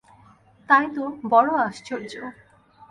তাই তো, বড়ো আশ্চর্য!